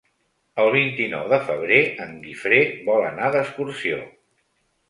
El vint-i-nou de febrer en Guifré vol anar d'excursió.